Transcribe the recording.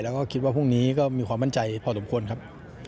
แล้วก็คิดว่าพรุ่งนี้ก็มีความมั่นใจพอสมควรครับ